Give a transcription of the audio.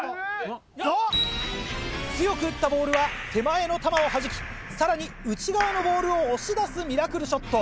あっ⁉強く打ったボールは手前の球をはじきさらに内側のボールを押し出すミラクルショット。